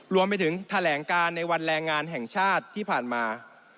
รวมไปถึงแถลงการในวันแรงงานแห่งชาติที่ผ่านมา